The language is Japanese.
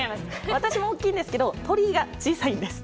私も大きいんですけど鳥居が小さいんです。